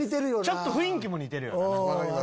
ちょっと雰囲気も似てるよな。